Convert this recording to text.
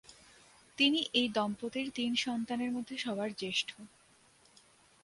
তিনি এই দম্পতির তিন সন্তানের মধ্যে সবার জ্যেষ্ঠ।